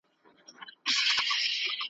په ماښام وو په هګیو نازولی ,